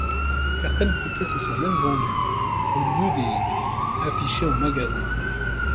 Certaines poupées se sont même vendues au lieu des affichés en magasins.